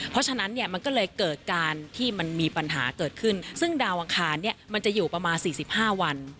เพราะฉะนั้นเนี่ยมันก็เลยเกิดการที่มันมีปัญหาเกิดขึ้นซึ่งดาวอังคารเนี่ยมันจะอยู่ประมาณ๔๕วัน